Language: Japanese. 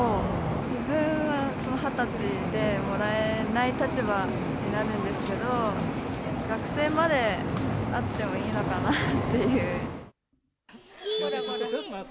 自分は２０歳で、もらえない立場になるんですけど、学生まであってもいいのかなっていう。